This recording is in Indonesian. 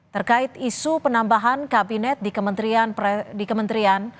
terkait isu penambahan kabinet di kementerian